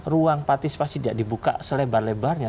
ruang partisipasi tidak dibuka selebar lebarnya